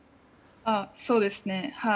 そうですね。